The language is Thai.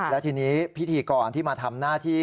และทีนี้พิธีกรที่มาทำหน้าที่